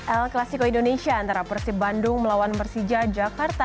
el klasiko indonesia antara persib bandung melawan persija jakarta